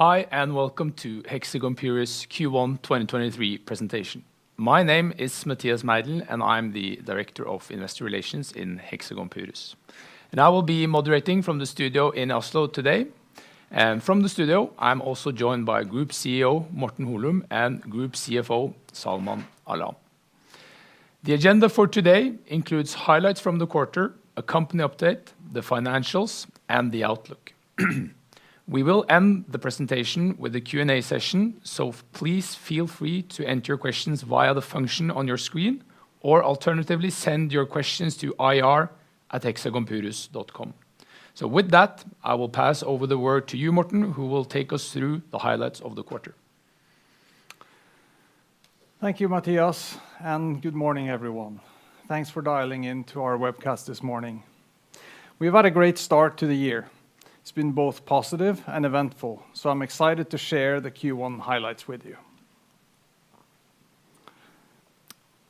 Hi, welcome to Hexagon Purus' Q1 2023 presentation. My name is Mathias Meidell, and I'm the Director of Investor Relations in Hexagon Purus. I will be moderating from the studio in Oslo today. From the studio, I'm also joined by Group CEO, Morten Holum, and Group CFO, Salman Alam. The agenda for today includes highlights from the quarter, a company update, the financials, and the outlook. We will end the presentation with a Q&A session, so please feel free to enter your questions via the function on your screen, or alternatively, send your questions to ir@hexagonpurus.com. With that, I will pass over the word to you, Morten, who will take us through the highlights of the quarter. Thank you, Mathias. Good morning, everyone. Thanks for dialing in to our webcast this morning. We've had a great start to the year. It's been both positive and eventful, so I'm excited to share the Q1 highlights with you.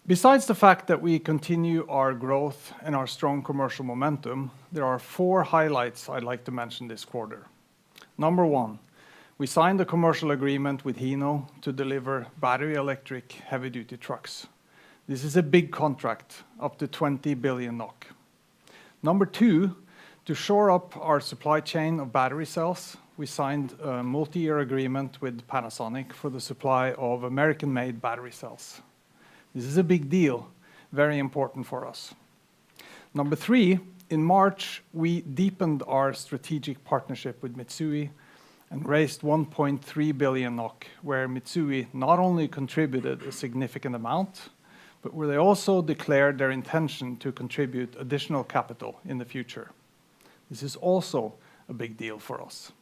Besides the fact that we continue our growth and our strong commercial momentum, there are four highlights I'd like to mention this quarter. Number one, we signed a commercial agreement with Hino to deliver battery electric heavy duty trucks. This is a big contract, up to 20 billion NOK. Number two, to shore up our supply chain of battery cells, we signed a multi-year agreement with Panasonic for the supply of American-made battery cells. This is a big deal, very important for us. Number three, in March, we deepened our strategic partnership with Mitsui and raised 1.3 billion NOK, where Mitsui not only contributed a significant amount, but where they also declared their intention to contribute additional capital in the future. This is also a big deal for us.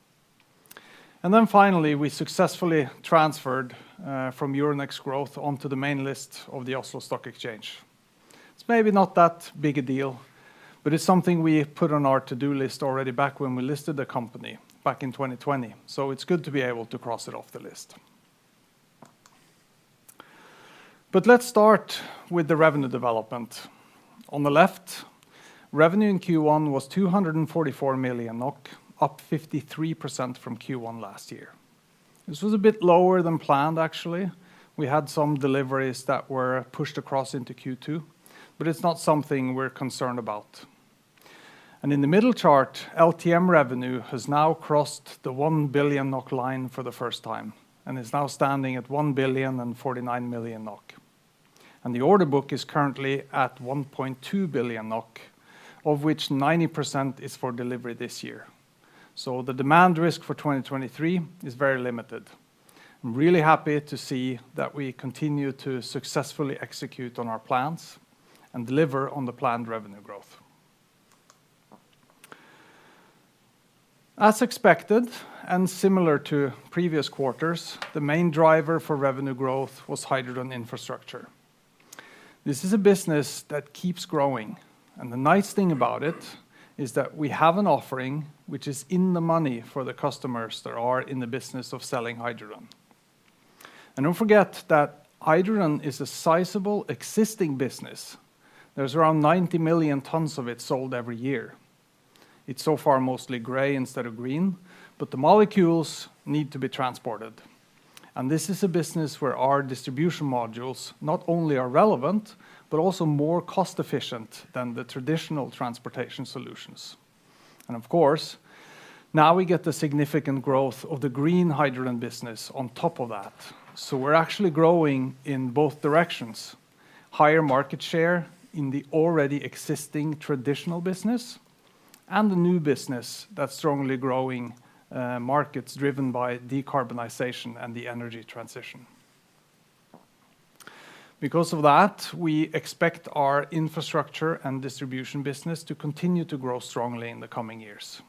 Finally, we successfully transferred from Euronext Growth onto the main list of the Oslo Stock Exchange. It's maybe not that big a deal, but it's something we put on our to-do list already back when we listed the company back in 2020. It's good to be able to cross it off the list. Let's start with the revenue development. On the left, revenue in Q1 was 244 million NOK, up 53% from Q1 last year. This was a bit lower than planned, actually. We had some deliveries that were pushed across into Q2, but it's not something we're concerned about. In the middle chart, LTM revenue has now crossed the 1 billion NOK line for the first time and is now standing at 1,049 million NOK. The order book is currently at 1.2 billion NOK, of which 90% is for delivery this year. The demand risk for 2023 is very limited. I'm really happy to see that we continue to successfully execute on our plans and deliver on the planned revenue growth. As expected, and similar to previous quarters, the main driver for revenue growth was hydrogen infrastructure. This is a business that keeps growing, and the nice thing about it is that we have an offering which is in the money for the customers that are in the business of selling hydrogen. Don't forget that hydrogen is a sizable existing business. There's around 90 million tons of it sold every year. It's so far mostly gray instead of green, the molecules need to be transported. This is a business where our distribution modules not only are relevant, but also more cost efficient than the traditional transportation solutions. Of course, now we get the significant growth of the green hydrogen business on top of that. We're actually growing in both directions, higher market share in the already existing traditional business and the new business that's strongly growing, markets driven by decarbonization and the energy transition. Because of that, we expect our infrastructure and distribution business to continue to grow strongly in the coming years.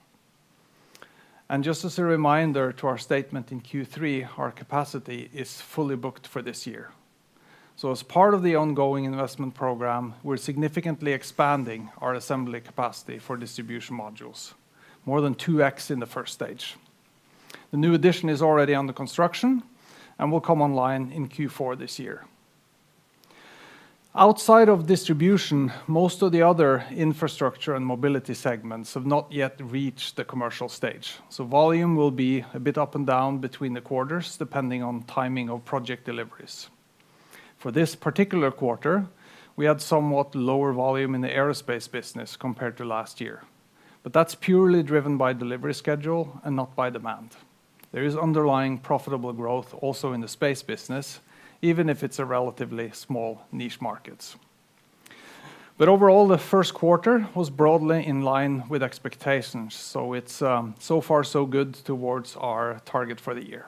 Just as a reminder to our statement in Q3, our capacity is fully booked for this year. As part of the ongoing investment program, we're significantly expanding our assembly capacity for distribution modules, more than 2x in the first stage. The new addition is already under construction and will come online in Q4 this year. Outside of distribution, most of the other infrastructure and mobility segments have not yet reached the commercial stage. Volume will be a bit up and down between the quarters depending on timing of project deliveries. For this particular quarter, we had somewhat lower volume in the aerospace business compared to last year. That's purely driven by delivery schedule and not by demand. There is underlying profitable growth also in the space business, even if it's a relatively small niche markets. Overall, the Q1 was broadly in line with expectations, so it's so far so good towards our target for the year.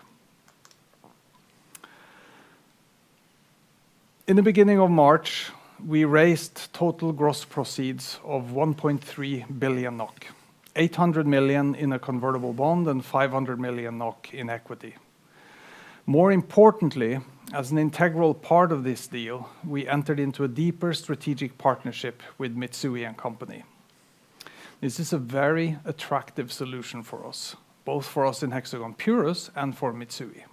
In the beginning of March, we raised total gross proceeds of 1.3 billion NOK, 800 million in a convertible bond and 500 million NOK in equity. As an integral part of this deal, we entered into a deeper strategic partnership with Mitsui & Co. This is a very attractive solution for us, both for us in Hexagon Purus and for Mitsui.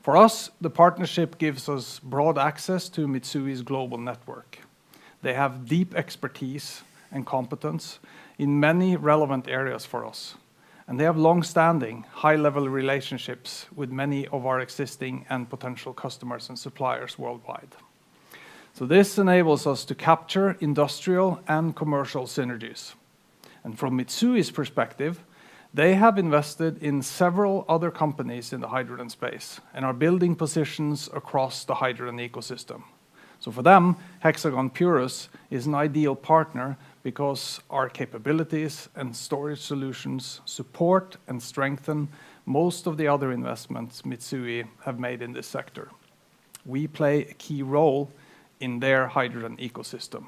For us, the partnership gives us broad access to Mitsui's global network. They have deep expertise and competence in many relevant areas for us, and they have long-standing high-level relationships with many of our existing and potential customers and suppliers worldwide. This enables us to capture industrial and commercial synergies. From Mitsui's perspective, they have invested in several other companies in the hydrogen space and are building positions across the hydrogen ecosystem. For them, Hexagon Purus is an ideal partner because our capabilities and storage solutions support and strengthen most of the other investments Mitsui have made in this sector. We play a key role in their hydrogen ecosystem,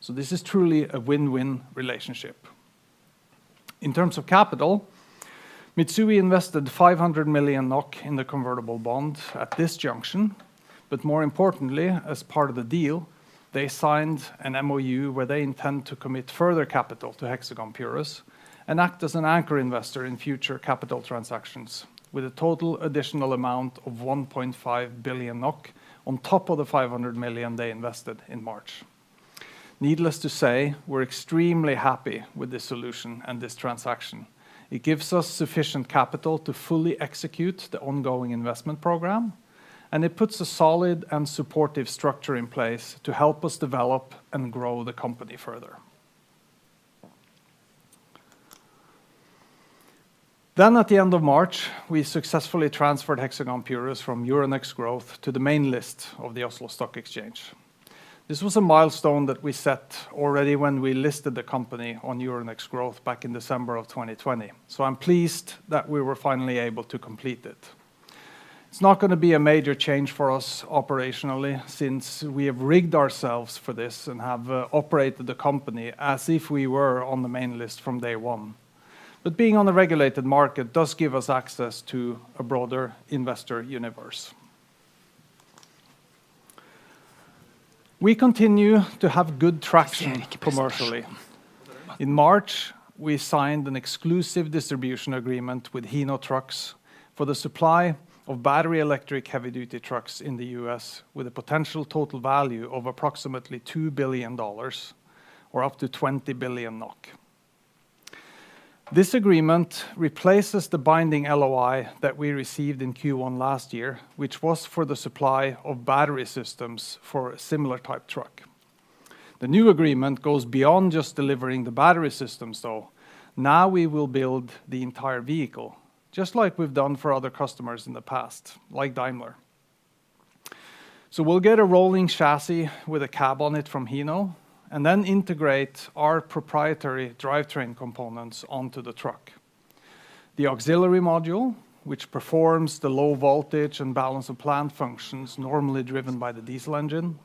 so this is truly a win-win relationship. In terms of capital, Mitsui invested 500 million NOK in the convertible bond at this junction. More importantly, as part of the deal, they signed an MoU where they intend to commit further capital to Hexagon Purus and act as an anchor investor in future capital transactions with a total additional amount of 1.5 billion NOK on top of the 500 million they invested in March. Needless to say, we're extremely happy with this solution and this transaction. It gives us sufficient capital to fully execute the ongoing investment program, and it puts a solid and supportive structure in place to help us develop and grow the company further. At the end of March, we successfully transferred Hexagon Purus from Euronext Growth to the main list of the Oslo Stock Exchange. This was a milestone that we set already when we listed the company on Euronext Growth back in December of 2020. I'm pleased that we were finally able to complete it. It's not gonna be a major change for us operationally since we have rigged ourselves for this and have operated the company as if we were on the main list from day one. Being on the regulated market does give us access to a broader investor universe. We continue to have good traction commercially. In March, we signed an exclusive distribution agreement with Hino Trucks for the supply of battery electric heavy duty trucks in the US with a potential total value of approximately $2 billion or up to 20 billion NOK. This agreement replaces the binding LOI that we received in Q1 last year, which was for the supply of battery systems for a similar type truck. The new agreement goes beyond just delivering the battery system, now we will build the entire vehicle just like we've done for other customers in the past, like Daimler. We'll get a rolling chassis with a cab on it from Hino and then integrate our proprietary drivetrain components onto the truck. The auxiliary module, which performs the low voltage and balance of plant functions normally driven by the diesel engine,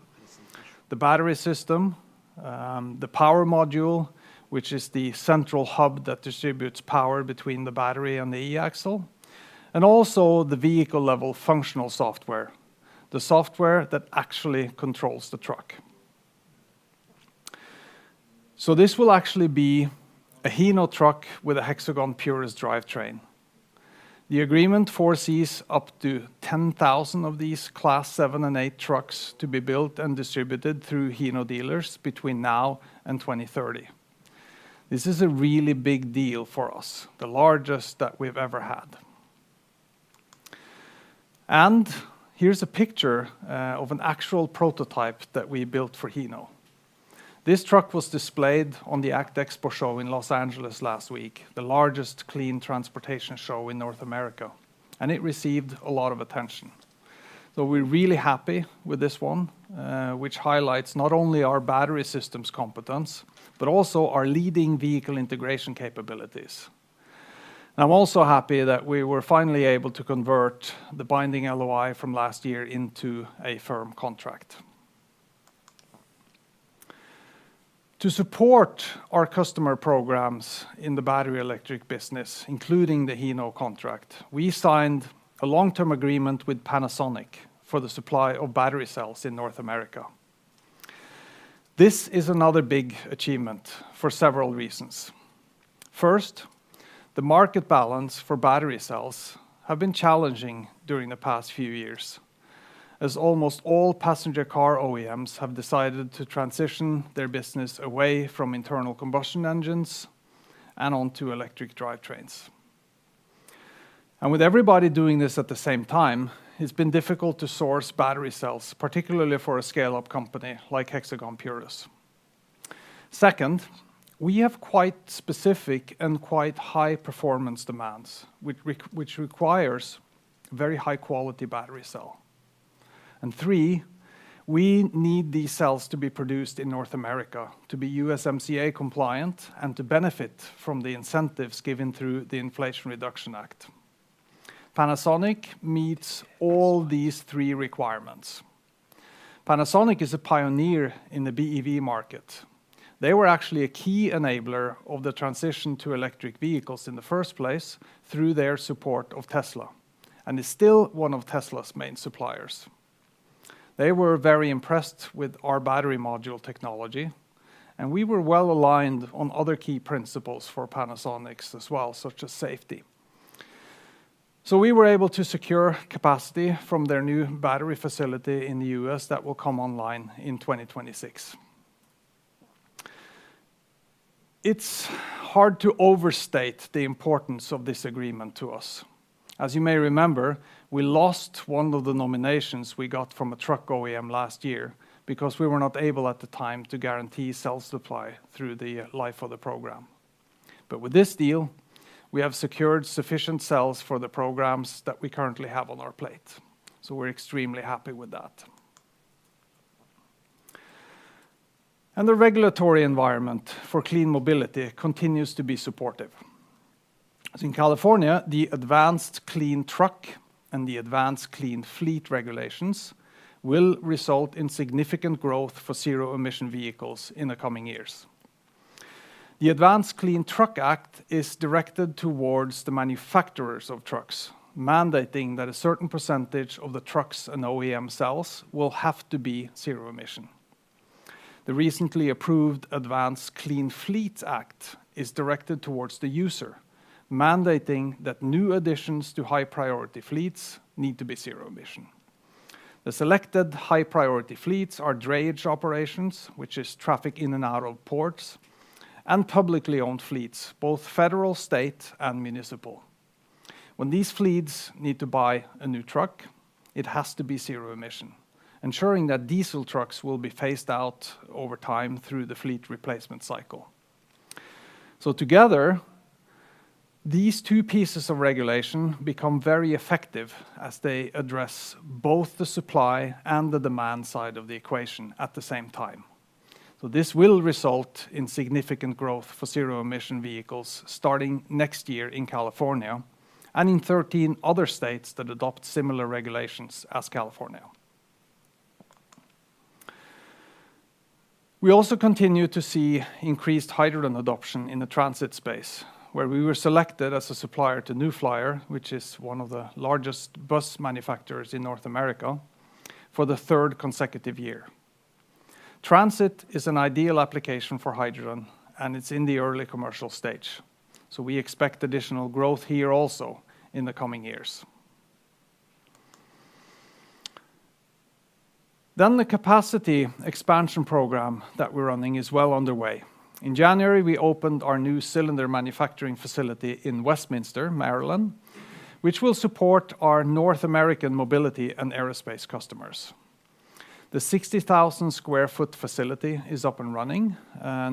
the battery system, the power module, which is the central hub that distributes power between the battery and the e-Axle, and also the vehicle level functional software, the software that actually controls the truck. This will actually be a Hino truck with a Hexagon Purus drivetrain. The agreement foresees up to 10,000 of these Class 7 and 8 trucks to be built and distributed through Hino dealers between now and 2030. This is a really big deal for us, the largest that we've ever had. Here's a picture of an actual prototype that we built for Hino. This truck was displayed on the ACT Expo show in Los Angeles last week, the largest clean transportation show in North America, and it received a lot of attention. We're really happy with this one, which highlights not only our battery systems competence, but also our leading vehicle integration capabilities. I'm also happy that we were finally able to convert the binding LOI from last year into a firm contract. To support our customer programs in the battery electric business, including the Hino contract, we signed a long-term agreement with Panasonic for the supply of battery cells in North America. This is another big achievement for several reasons. First, the market balance for battery cells have been challenging during the past few years, as almost all passenger car OEMs have decided to transition their business away from internal combustion engines and onto electric drivetrains. With everybody doing this at the same time, it's been difficult to source battery cells, particularly for a scale-up company like Hexagon Purus. Second, we have quite specific and quite high performance demands, which requires very high quality battery cell. And three, we need these cells to be produced in North America to be USMCA compliant and to benefit from the incentives given through the Inflation Reduction Act. Panasonic meets all these three requirements. Panasonic is a pioneer in the BEV market. They were actually a key enabler of the transition to electric vehicles in the first place through their support of Tesla, and is still one of Tesla's main suppliers. They were very impressed with our battery module technology, and we were well-aligned on other key principles for Panasonic as well, such as safety. We were able to secure capacity from their new battery facility in the U.S. that will come online in 2026. It's hard to overstate the importance of this agreement to us. As you may remember, we lost one of the nominations we got from a truck OEM last year because we were not able at the time to guarantee cell supply through the life of the program. With this deal, we have secured sufficient cells for the programs that we currently have on our plate. We're extremely happy with that. The regulatory environment for clean mobility continues to be supportive. In California, the Advanced Clean Trucks and the Advanced Clean Fleets regulations will result in significant growth for zero-emission vehicles in the coming years. The Advanced Clean Trucks Act is directed towards the manufacturers of trucks, mandating that a certain % of the trucks and OEM cells will have to be zero-emission. The recently approved Advanced Clean Fleets Act is directed towards the user, mandating that new additions to high-priority fleets need to be zero-emission. The selected high-priority fleets are drayage operations, which is traffic in and out of ports, and publicly owned fleets, both federal, state, and municipal. When these fleets need to buy a new truck, it has to be zero-emission, ensuring that diesel trucks will be phased out over time through the fleet replacement cycle. Together, these two pieces of regulation become very effective as they address both the supply and the demand side of the equation at the same time. This will result in significant growth for zero-emission vehicles starting next year in California and in 13 other states that adopt similar regulations as California. We also continue to see increased hydrogen adoption in the transit space, where we were selected as a supplier to New Flyer, which is one of the largest bus manufacturers in North America, for the 3rd consecutive year. Transit is an ideal application for hydrogen, and it's in the early commercial stage. We expect additional growth here also in the coming years. The capacity expansion program that we're running is well underway. In January, we opened our new cylinder manufacturing facility in Westminster, Maryland, which will support our North American mobility and aerospace customers. The 60,000 sq ft facility is up and running.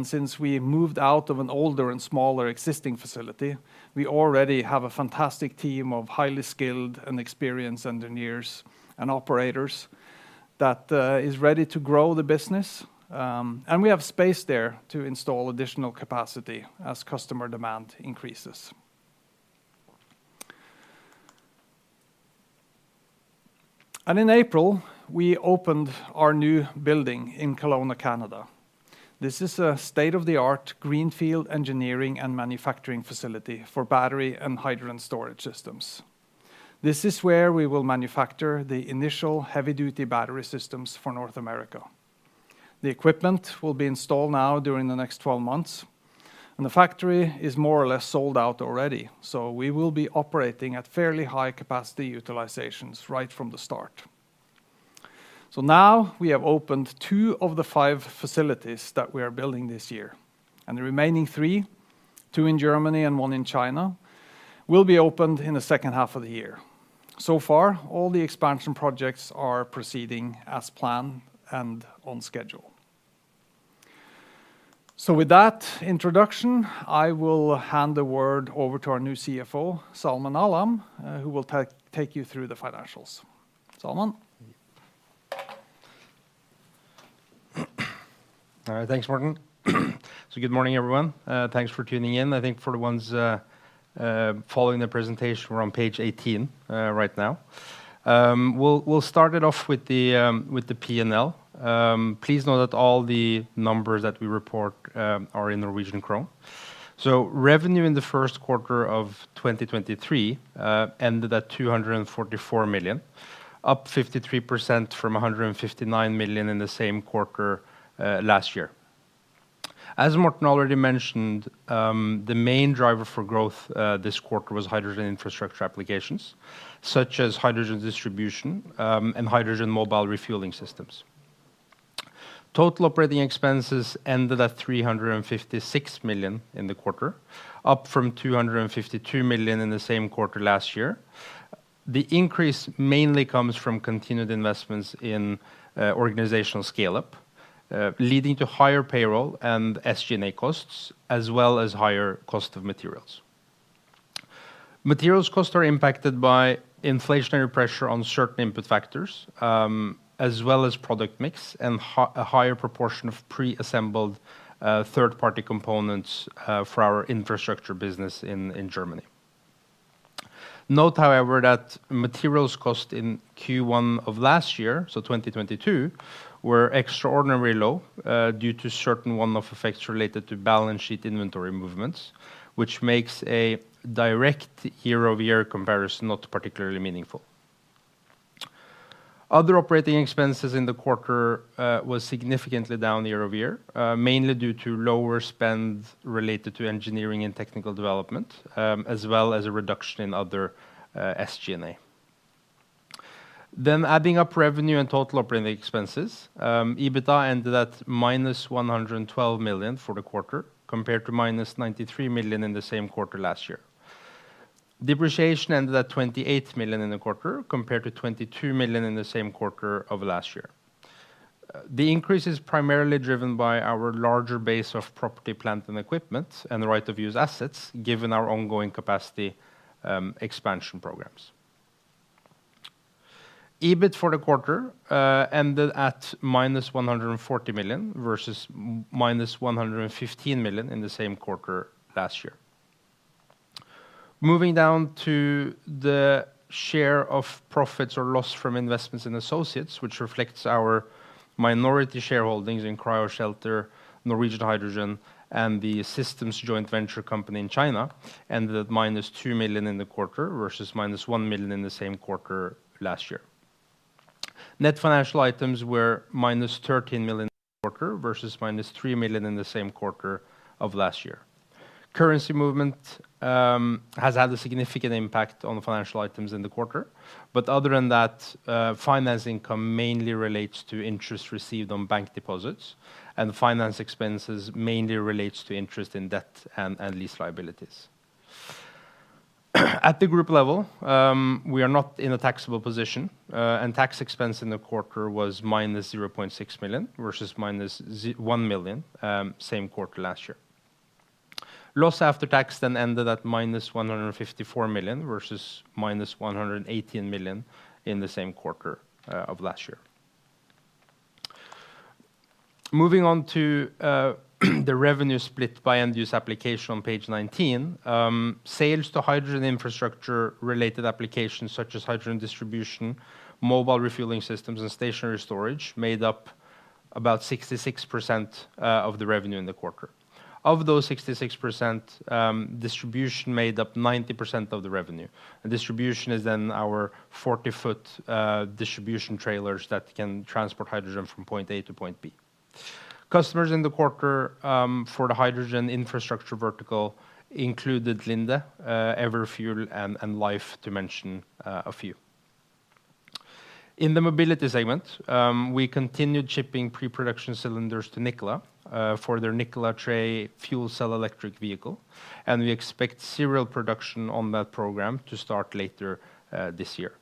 Since we moved out of an older and smaller existing facility, we already have a fantastic team of highly skilled and experienced engineers and operators that is ready to grow the business. We have space there to install additional capacity as customer demand increases. In April, we opened our new building in Kelowna, Canada. This is a state-of-the-art greenfield engineering and manufacturing facility for battery and hydrogen storage systems. This is where we will manufacture the initial heavy-duty battery systems for North America. The equipment will be installed now during the next 12 months. The factory is more or less sold out already. We will be operating at fairly high capacity utilizations right from the start. Now we have opened 2 of the 5 facilities that we are building this year, and the remaining 3, 2 in Germany and 1 in China, will be opened in the second half of the year. So far, all the expansion projects are proceeding as planned and on schedule. With that introduction, I will hand the word over to our new CFO, Salman Alam, who will take you through the financials. Salman? All right. Thanks, Mathias Meidell. Good morning, everyone. Thanks for tuning in. I think for the ones following the presentation, we're on page 18 right now. We'll start it off with the P&L. Please note that all the numbers that we report are in Norwegian krone. Revenue in the Q1 of 2023 ended at 244 million, up 53% from 159 million in the same quarter last year. As Mathias Meidell already mentioned, the main driver for growth this quarter was hydrogen infrastructure applications, such as hydrogen distribution, and hydrogen mobile refueling systems. Total operating expenses ended at 356 million in the quarter, up from 252 million in the same quarter last year. The increase mainly comes from continued investments in organizational scale-up, leading to higher payroll and SG&A costs, as well as higher cost of materials. Materials cost are impacted by inflationary pressure on certain input factors, as well as product mix and higher proportion of preassembled third-party components for our infrastructure business in Germany. Note, however, that materials cost in Q1 of last year, so 2022 were extraordinarily low due to certain one-off effects related to balance sheet inventory movements, which makes a direct year-over-year comparison not particularly meaningful. Other operating expenses in the quarter was significantly down year-over-year, mainly due to lower spend related to engineering and technical development, as well as a reduction in other SG&A. Adding up revenue and total operating expenses, EBITA ended at minus 112 million for the quarter compared to minus 93 million in the same quarter last year. Depreciation ended at 28 million in the quarter compared to 22 million in the same quarter of last year. The increase is primarily driven by our larger base of property, plant and equipment and the right to use assets given our ongoing capacity expansion programs. EBIT for the quarter ended at minus 140 million versus minus 115 million in the same quarter last year. Moving down to the share of profits or loss from investments in associates, which reflects our minority shareholdings in Cryoshelter, Norwegian Hydrogen, and the Systems joint venture company in China, ended at minus 2 million in the quarter versus minus 1 million in the same quarter last year. Net financial items were minus 13 million in the quarter versus minus 3 million in the same quarter of last year. Currency movement has had a significant impact on the financial items in the quarter. Other than that, finance income mainly relates to interest received on bank deposits, and finance expenses mainly relates to interest in debt and lease liabilities. At the group level, we are not in a taxable position. Tax expense in the quarter was minus 0.6 million, versus minus 1 million same quarter last year. Loss after tax then ended at -154 million, versus -118 million in the same quarter of last year. Moving on to the revenue split by end-use application on page 19. Sales to hydrogen infrastructure related applications such as hydrogen distribution, mobile refueling systems and stationary storage made up about 66% of the revenue in the quarter. Of those 66%, distribution made up 90% of the revenue. Distribution is then our 40-foot distribution trailers that can transport hydrogen from point A to point B. Customers in the quarter for the hydrogen infrastructure vertical included Linde, Everfuel and Lhyfe to mention a few. In the mobility segment, we continued shipping pre-production cylinders to Nikola for their Nikola Tre fuel cell electric vehicle, and we expect serial production on that program to start later this year.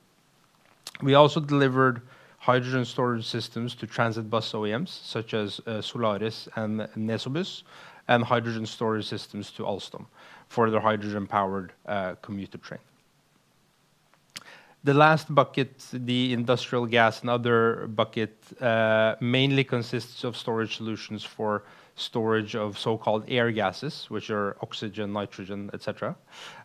We also delivered hydrogen storage systems to transit bus OEMs such as Solaris and NesoBus, and hydrogen storage systems to Alstom for their hydrogen-powered commuter train. The last bucket, the industrial gas and other bucket, mainly consists of storage solutions for storage of so-called air gases, which are oxygen, nitrogen, et cetera.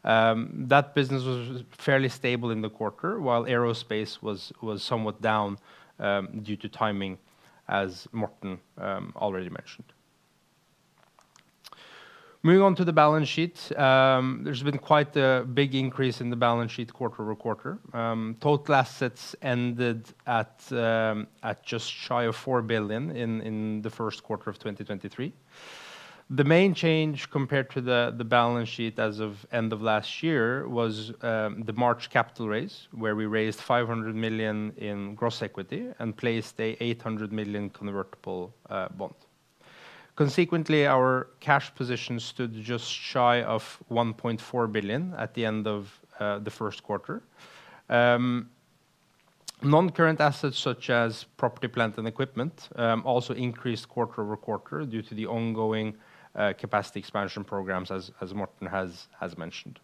That business was fairly stable in the quarter, while aerospace was somewhat down due to timing as Morten already mentioned. Moving on to the balance sheet. There's been quite a big increase in the balance sheet quarter-over-quarter. Total assets ended at just shy of 4 billion in the Q1 of 2023. The main change compared to the balance sheet as of end of last year was the March capital raise, where we raised 500 million in gross equity and placed 800 million convertible bond. Consequently, our cash position stood just shy of 1.4 billion at the end of the Q1. Non-current assets such as property, plant and equipment also increased quarter-over-quarter due to the ongoing capacity expansion programs as Morten has mentioned.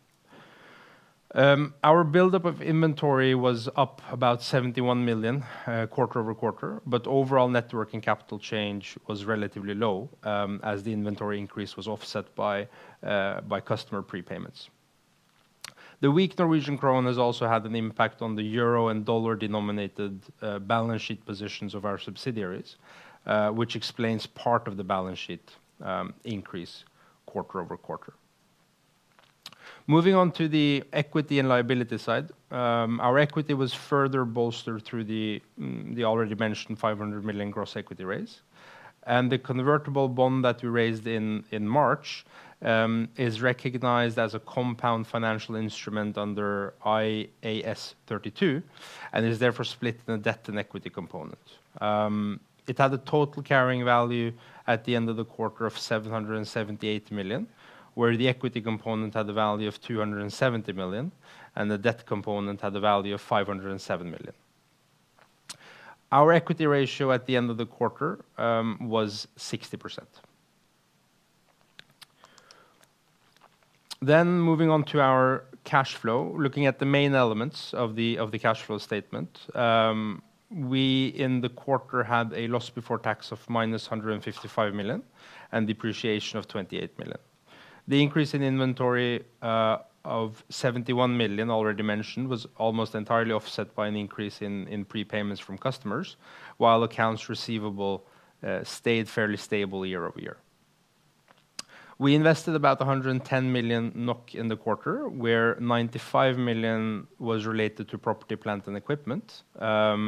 Our buildup of inventory was up about 71 million quarter-over-quarter, but overall net working capital change was relatively low as the inventory increase was offset by customer prepayments. The weak Norwegian krone has also had an impact on the euro and dollar-denominated balance sheet positions of our subsidiaries, which explains part of the balance sheet increase quarter-over-quarter. Moving on to the equity and liability side. Our equity was further bolstered through the already mentioned 500 million gross equity raise. The convertible bond that we raised in March is recognized as a compound financial instrument under IAS 32, and is therefore split in a debt and equity component. It had a total carrying value at the end of the quarter of 778 million, where the equity component had a value of 270 million, and the debt component had a value of 507 million. Our equity ratio at the end of the quarter was 60%. Moving on to our cash flow. Looking at the main elements of the cash flow statement. We in the quarter had a loss before tax of minus 155 million and depreciation of 28 million. The increase in inventory of 71 million already mentioned was almost entirely offset by an increase in prepayments from customers while accounts receivable stayed fairly stable year-over-year. We invested about 110 million NOK in the quarter, where 95 million was related to property, plant, and equipment. The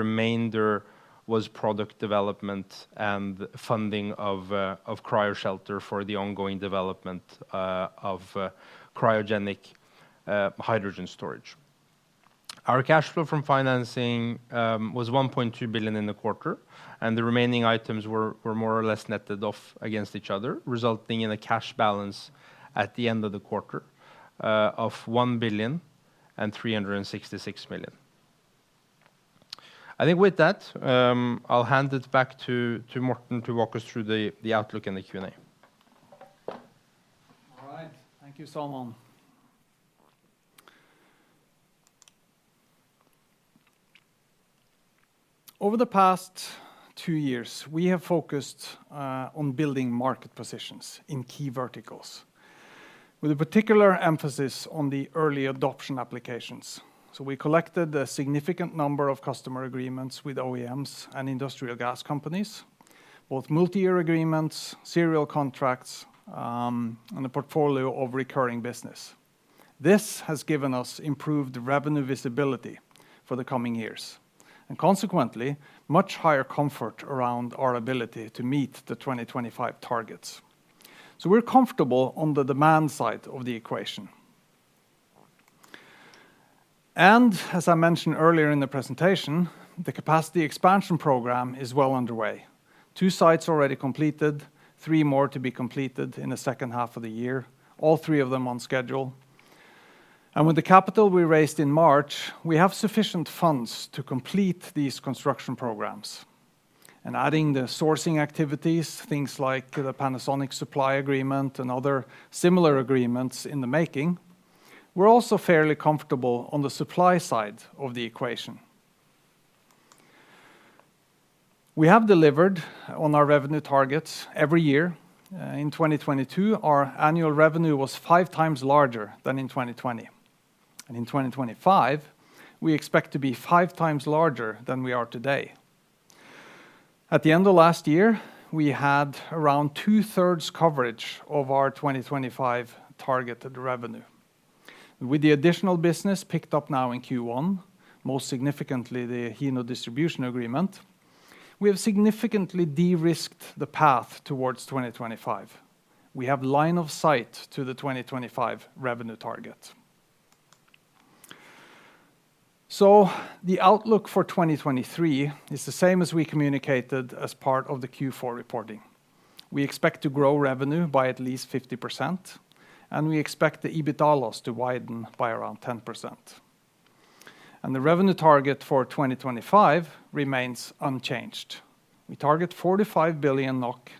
remainder was product development and funding of Cryoshelter for the ongoing development of cryogenic hydrogen storage. Our cash flow from financing was 1.2 billion in the quarter, and the remaining items were more or less netted off against each other, resulting in a cash balance at the end of the quarter of 1.366 billion. I think with that, I'll hand it back to Morten to walk us through the outlook and the Q&A. All right. Thank you, Salman. Over the past two years, we have focused on building market positions in key verticals with a particular emphasis on the early adoption applications. We collected a significant number of customer agreements with OEMs and industrial gas companies, both multi-year agreements, serial contracts, and a portfolio of recurring business. This has given us improved revenue visibility for the coming years, and consequently much higher comfort around our ability to meet the 2025 targets. We're comfortable on the demand side of the equation. As I mentioned earlier in the presentation, the capacity expansion program is well underway. Two sites already completed, three more to be completed in the second half of the year, all three of them on schedule. With the capital we raised in March, we have sufficient funds to complete these construction programs. Adding the sourcing activities, things like the Panasonic supply agreement and other similar agreements in the making, we're also fairly comfortable on the supply side of the equation. We have delivered on our revenue targets every year. In 2022, our annual revenue was 5 times larger than in 2020. In 2025, we expect to be 5 times larger than we are today. At the end of last year, we had around two-thirds coverage of our 2025 targeted revenue. With the additional business picked up now in Q1, most significantly the Hino distribution agreement, we have significantly de-risked the path towards 2025. We have line of sight to the 2025 revenue target. The outlook for 2023 is the same as we communicated as part of the Q4 reporting. We expect to grow revenue by at least 50%, and we expect the EBITDA loss to widen by around 10%. The revenue target for 2025 remains unchanged. We target 4-5 billion NOK,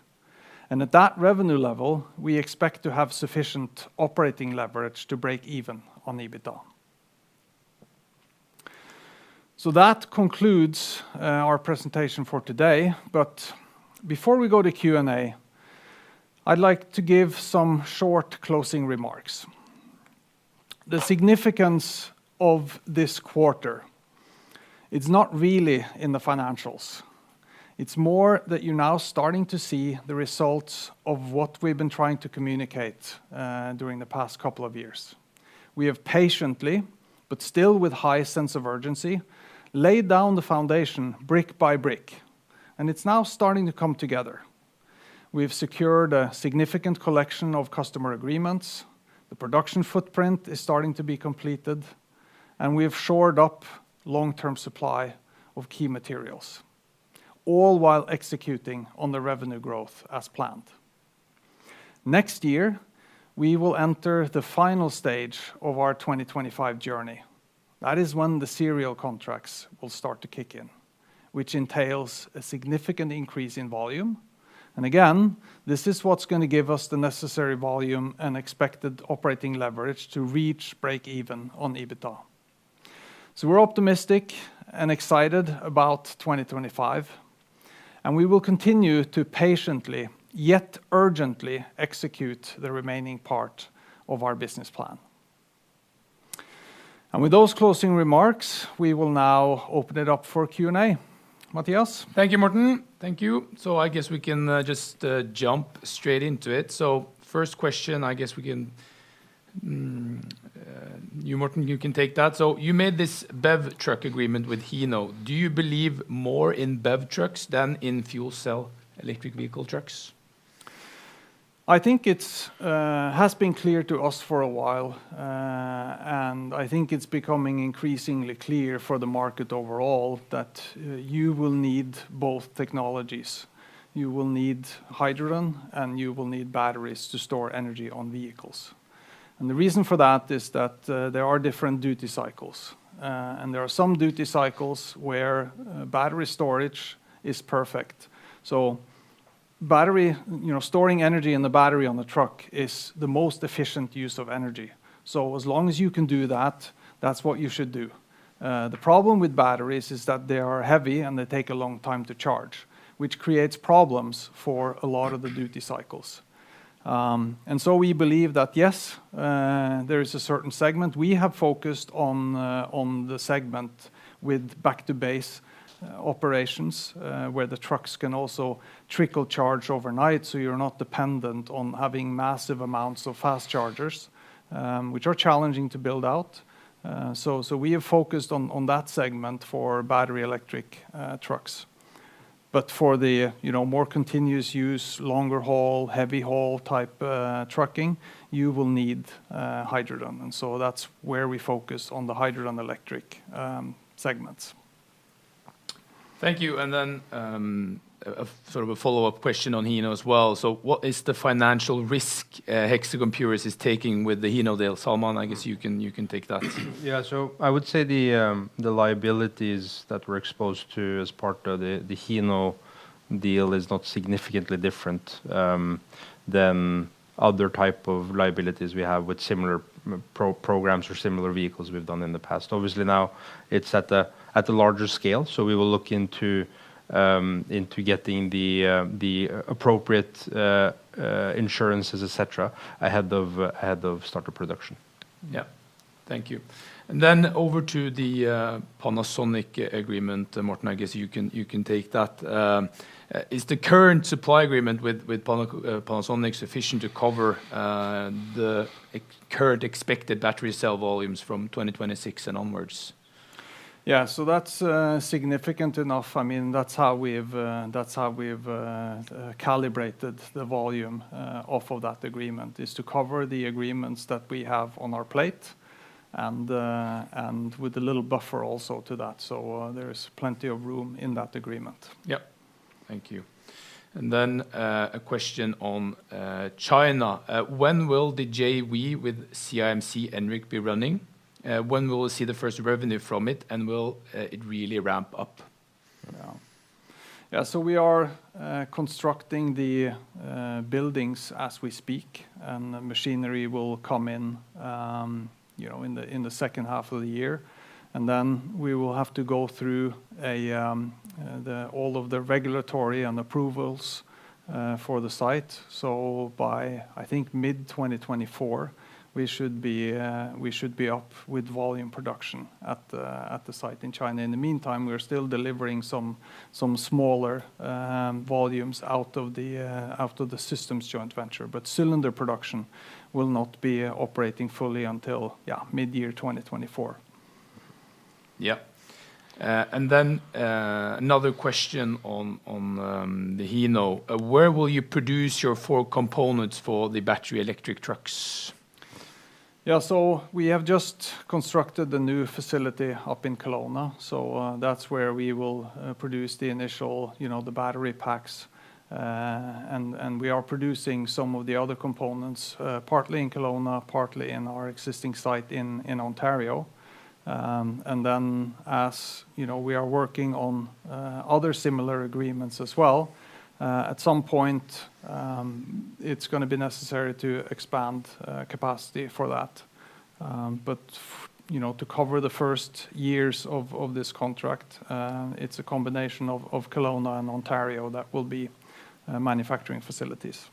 and at that revenue level, we expect to have sufficient operating leverage to break even on EBITDA. That concludes our presentation for today. Before we go to Q&A, I'd like to give some short closing remarks. The significance of this quarter, it's not really in the financials. It's more that you're now starting to see the results of what we've been trying to communicate during the past couple of years. We have patiently, but still with high sense of urgency, laid down the foundation brick by brick, and it's now starting to come together. We've secured a significant collection of customer agreements. The production footprint is starting to be completed, and we have shored up long-term supply of key materials, all while executing on the revenue growth as planned. Next year, we will enter the final stage of our 2025 journey. That is when the serial contracts will start to kick in, which entails a significant increase in volume. Again, this is what's gonna give us the necessary volume and expected operating leverage to reach break even on EBITDA. We're optimistic and excited about 2025, and we will continue to patiently, yet urgently, execute the remaining part of our business plan. With those closing remarks, we will now open it up for Q&A. Mathias? Thank you, Morten. Thank you. I guess we can just jump straight into it. First question, I guess we can, you Morten, you can take that. You made this BEV truck agreement with Hino. Do you believe more in BEV trucks than in fuel cell electric vehicle trucks? I think it's has been clear to us for a while, and I think it's becoming increasingly clear for the market overall that you will need both technologies. You will need hydrogen, and you will need batteries to store energy on vehicles. The reason for that is that there are different duty cycles, and there are some duty cycles where battery storage is perfect. Battery, you know, storing energy in the battery on the truck is the most efficient use of energy. As long as you can do that's what you should do. The problem with batteries is that they are heavy, and they take a long time to charge, which creates problems for a lot of the duty cycles. We believe that, yes, there is a certain segment. We have focused on the segment with back-to-base operations, where the trucks can also trickle charge overnight, so you're not dependent on having massive amounts of fast chargers, which are challenging to build out. We have focused on that segment for battery electric trucks. But for the, you know, more continuous use, longer haul, heavy haul type trucking, you will need hydrogen. That's where we focus on the hydrogen electric segments. Thank you. A sort of a follow-up question on Hino as well. What is the financial risk Hexagon Purus is taking with the Hino deal? Salman, I guess you can take that. I would say the liabilities that we're exposed to as part of the Hino deal is not significantly different than other type of liabilities we have with similar programs or similar vehicles we've done in the past. Obviously now it's at a larger scale, we will look into getting the appropriate insurances, et cetera, ahead of start of production. Yeah. Thank you. Over to the Panasonic agreement. Morten, I guess you can take that. Is the current supply agreement with Panasonic sufficient to cover the current expected battery cell volumes from 2026 and onwards? Yeah. That's significant enough. I mean, that's how we've calibrated the volume off of that agreement is to cover the agreements that we have on our plate and with a little buffer also to that. There is plenty of room in that agreement. Yep. Thank you. A question on China. When will the JV with CIMC Enric be running? When will we see the first revenue from it, and will it really ramp up? Yeah. Yeah, we are constructing the buildings as we speak, and the machinery will come in, you know, in the second half of the year, and then we will have to go through all of the regulatory and approvals for the site. By, I think, mid-2024, we should be up with volume production at the site in China. In the meantime, we're still delivering some smaller volumes out of the systems joint venture. Cylinder production will not be operating fully until, yeah, mid-2024. Yeah. another question on the Hino. Where will you produce your four components for the battery electric trucks? Yeah. We have just constructed the new facility up in Kelowna, so, that's where we will produce the initial, you know, the battery packs. We are producing some of the other components, partly in Kelowna, partly in our existing site in Ontario. As, you know, we are working on other similar agreements as well, at some point, it's gonna be necessary to expand capacity for that. You know, to cover the first years of this contract, it's a combination of Kelowna and Ontario that will be manufacturing facilities.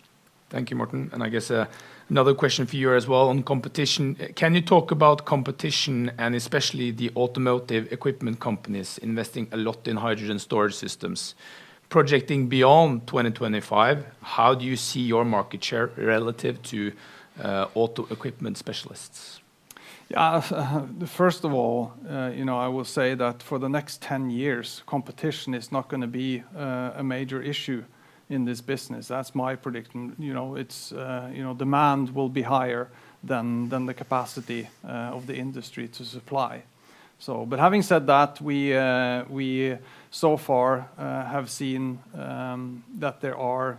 Thank you, Morten. I guess, another question for you as well on competition. Can you talk about competition and especially the automotive equipment companies investing a lot in hydrogen storage systems? Projecting beyond 2025, how do you see your market share relative to, auto equipment specialists? Yeah. First of all, you know, I will say that for the next 10 years, competition is not gonna be a major issue in this business. That's my prediction. You know, it's, you know, demand will be higher than the capacity of the industry to supply. But having said that, we so far have seen that there are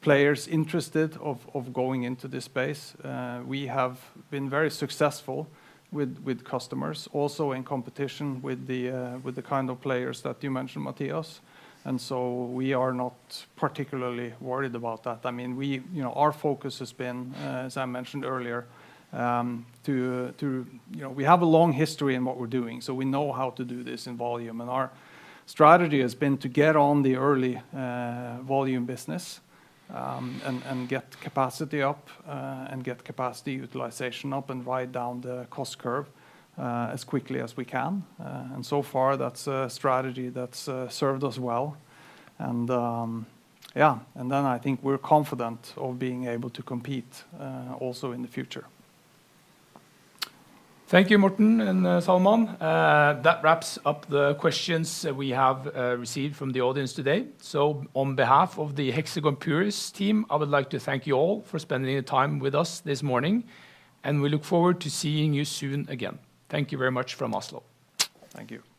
players interested of going into this space. We have been very successful with customers also in competition with the kind of players that you mentioned, Mathias, we are not particularly worried about that. I mean, we, you know, our focus has been, as I mentioned earlier, to, you know, we have a long history in what we're doing, so we know how to do this in volume, and our strategy has been to get on the early, volume business, and get capacity up, and get capacity utilization up and ride down the cost curve, as quickly as we can. So far that's a strategy that's served us well. Yeah, I think we're confident of being able to compete, also in the future. Thank you, Morten and Salman. That wraps up the questions we have received from the audience today. On behalf of the Hexagon Purus team, I would like to thank you all for spending the time with us this morning, and we look forward to seeing you soon again. Thank you very much from Oslo. Thank you. Thank you.